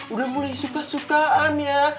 udah mulai suka sukaan ya